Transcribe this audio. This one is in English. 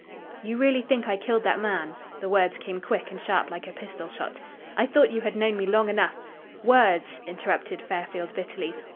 "You really think I killed that man?" The words came quick and sharp, like a pistol shot. "I thought you had known me long enough " "Words," interrupted Fairfield bitterly.